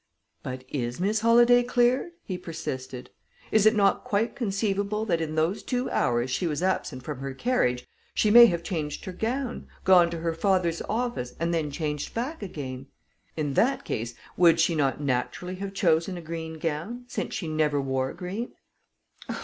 "But is Miss Holladay cleared?" he persisted. "Is it not quite conceivable that in those two hours she was absent from her carriage, she may have changed her gown, gone to her father's office, and then changed back again? In that case, would she not naturally have chosen a green gown, since she never wore green?"